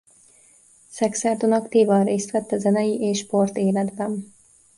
Szekszárdon aktívan részt vett a zenei és sport életben.